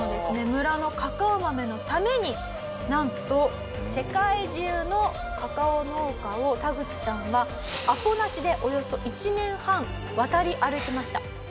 村のカカオ豆のためになんと世界中のカカオ農家をタグチさんはアポなしでおよそ１年半渡り歩きました。